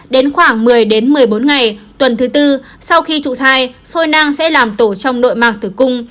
đến khoảng một mươi đến một mươi bốn ngày tuần thứ tư sau khi trụ thai phôi năng sẽ làm tổ trong nội mạc tử cung